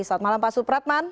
selamat malam pak supratman